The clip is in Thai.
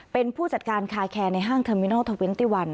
เป็นผู้จัดการคาแคร์ในห้างเทอร์มินาล๑๒๒๑